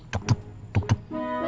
tuk tuk tuk tuk